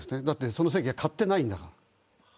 その席は買ってないんだから。